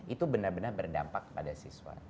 itu benar benar berdampak pada siswa